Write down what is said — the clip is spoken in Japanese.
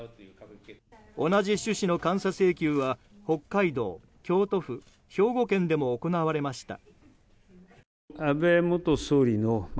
同じ趣旨の監査請求は北海道、京都府、兵庫県でも行われました。